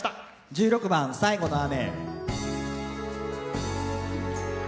１６番「最後の雨」。